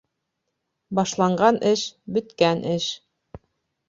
Башланған эш — бөткән эш.